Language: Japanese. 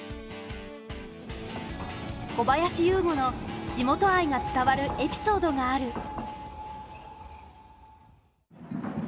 小林有吾の地元愛が伝わるエピソードがある。